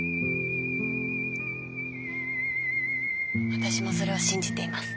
私もそれを信じています。